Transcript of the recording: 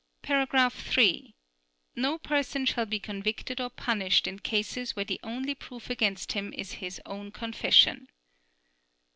(3) No person shall be convicted or punished in cases where the only proof against him is his own confession.